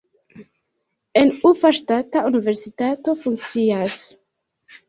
En Ufa ŝtata universitato funkcias.